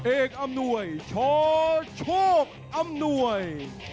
เอกอำนวยชโชคอำนวย